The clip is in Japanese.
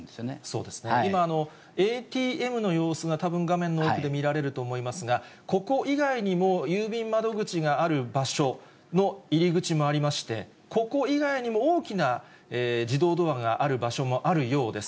そうですね、今、ＡＴＭの様子が画面の奥で見られると思いますが、ここ以外にも郵便窓口がある場所の入り口もありまして、ここ以外にも大きな自動ドアがある場所もあるようです。